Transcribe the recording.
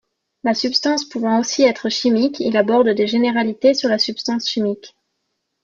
La substance pouvant aussi être chimique, il aborde des généralités sur la substance chimique.